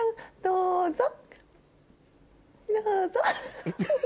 どうぞ。